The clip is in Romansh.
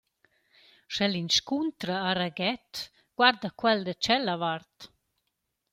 Sch’el inscuntra a Ragut, guarda quel da tschella vart.